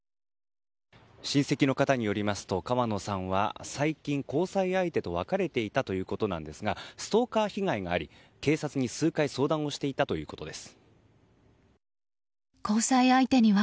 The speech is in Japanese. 親戚の方によりますと川野さんは最近、交際相手と別れていたということなんですがストーカー被害があり警察に数回相談していたということです。